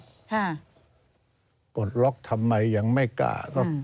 ปลดล็อกทำไมยังไม่กล้าก็